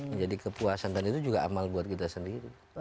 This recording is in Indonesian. menjadi kepuasan dan itu juga amal buat kita sendiri